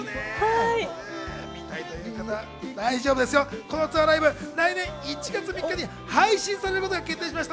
見たいという方、このツアーライブが来年１月３日に配信されることが決定しました。